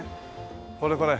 これこれ。